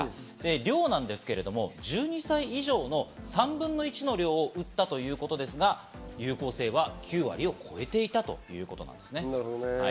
量なんですけれども、１２歳以上の３分の１の量を打ったということですが、有効性は９割を超えていたということです。